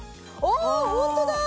ホントだ！